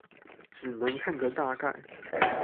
只能看個大概